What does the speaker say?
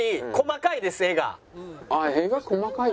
あっ絵が細かい？